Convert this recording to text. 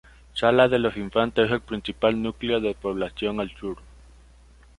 Salas de los Infantes es el principal núcleo de población al sur.